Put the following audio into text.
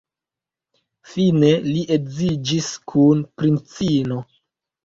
Fine li edziĝis kun princino.